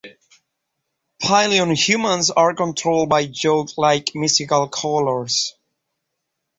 Pylean humans are controlled by yoke-like mystical collars.